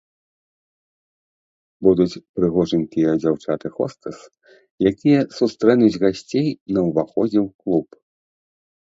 Будуць прыгожанькія дзяўчаты-хостэс, якія сустрэнуць гасцей на ўваходзе ў клуб.